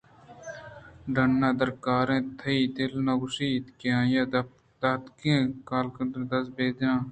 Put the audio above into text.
ڈنّءَ درکاے تئی دل نہ گوٛشیت کہ آئی ءِ داتگیں کاگداں دز بہ جناں